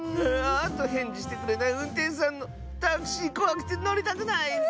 あとへんじしてくれないうんてんしゅさんのタクシーこわくてのりたくないッス！